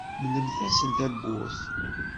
Mlemt-asent tawwurt.